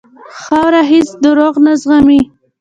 خاوره هېڅ دروغ نه زغمي.